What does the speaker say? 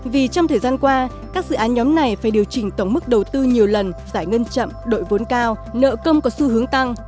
vì trong thời gian qua các dự án nhóm này phải điều chỉnh tổng mức đầu tư nhiều lần giải ngân chậm đội vốn cao nợ công có xu hướng tăng